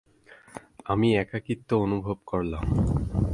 আমি একাকীত্ব অনুভব করলাম।